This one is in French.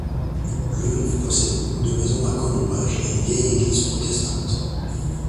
Leun possède beaucoup de maisons à colombage et une vieille église protestante.